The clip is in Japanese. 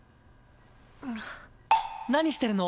何してるの？